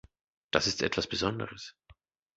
Das ist etwas Besonderes!